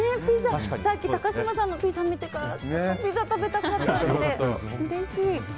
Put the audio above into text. さっき高嶋さんのピザ見てからピザ食べたかったのでうれしい。